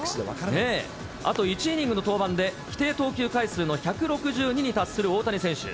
あと１イニングの登板で、規定投球回数の１６２に達する大谷選手。